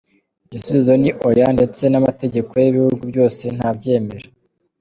Igisubizo ni Oya ndetse n’amategeko y’ibihugu byose ntabyemera.